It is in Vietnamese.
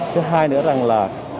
thứ hai nữa là